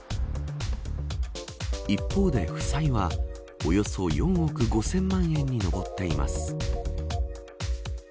一方で負債はおよそ４億５０００万円に上っています。